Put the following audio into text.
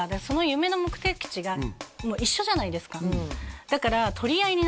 その夢の目的地が一緒じゃないですかだから要はああ